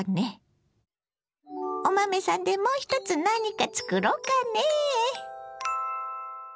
お豆さんでもう一つ何か作ろうかねぇ。